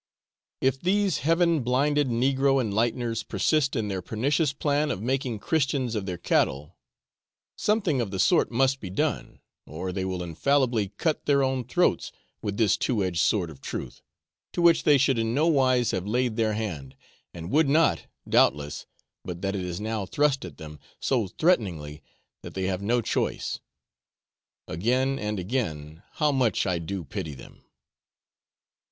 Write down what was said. If these heaven blinded negro enlighteners persist in their pernicious plan of making Christians of their cattle, something of the sort must be done, or they will infallibly cut their own throats with this two edged sword of truth, to which they should in no wise have laid their hand, and would not, doubtless, but that it is now thrust at them so threateningly that they have no choice. Again and again, how much I do pity them!